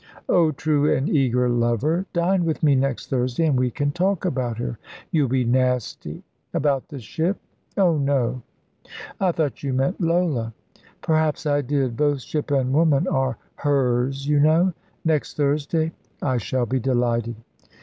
"Oh true and eager lover! Dine with me next Thursday, and we can talk about her." "You'll be nasty." "About the ship? Oh, no!" "I thought you meant Lola." "Perhaps I did; both ship and woman are 'hers,' you know. Next Thursday?" "I shall be delighted."